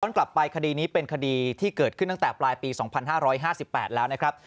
กลับไปคดีนี้เป็นคดีที่เกิดขึ้นตั้งแต่ปลายปี๒๕๕๘แล้วนะครับ